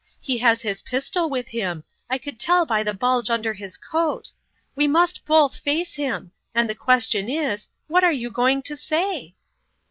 He has his pistol with him I could tell by the bulge under his coat. We must both face him ; and the question is, What are you going to say